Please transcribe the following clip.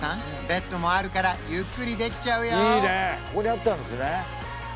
ベッドもあるからゆっくりできちゃうよいいね